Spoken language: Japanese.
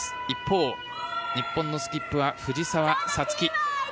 一方、日本のスキップは藤澤五月。